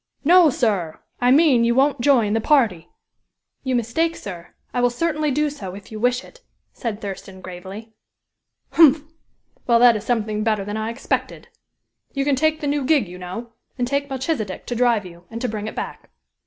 "No, sir! I mean you won't join the party." "You mistake, sir. I will certainly do so, if you wish it," said Thurston, gravely. "Humph! Well, that is something better than I expected. You can take the new gig, you know, and take Melchisedek to drive you, and to bring it back."